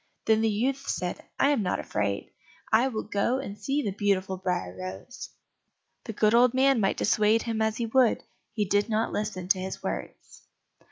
Then the youth said, "I am not afraid, I will go and see the beautiful Briar rose." The good old man might dissuade him as he would, he did not listen to his words.